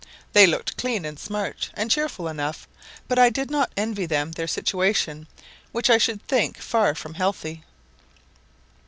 They looked clean and smart, and cheerful enough, but I did not envy them their situation, which I should think far from healthy.